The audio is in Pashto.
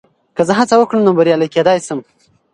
که زه هڅه وکړم، نو بریالی کېدای شم.